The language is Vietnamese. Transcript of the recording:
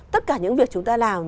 tất cả những việc chúng ta làm